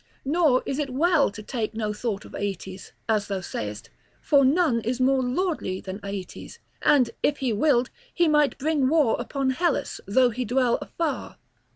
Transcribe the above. Nor is it well to take no thought of Aeetes, as thou sayest: for none is more lordly than Aeetes. And, if he willed, he might bring war upon Hellas, though he dwell afar.